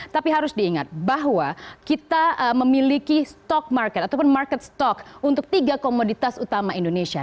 tapi harus diingat bahwa kita memiliki stock market ataupun market stock untuk tiga komoditas utama indonesia